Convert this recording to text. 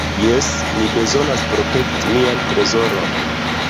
"Jes, mi bezonas protekti mian trezoron."